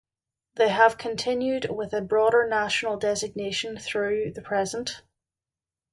They have continued with a broader national designation through the present.